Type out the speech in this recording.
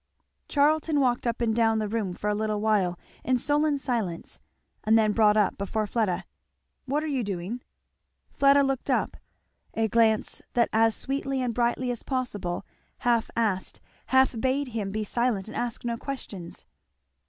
Charlton walked up and down the room for a little while in sullen silence; and then brought up before Fleda. "What are you doing?" Fleda looked up, a glance that as sweetly and brightly as possible half asked half bade him be silent and ask no questions.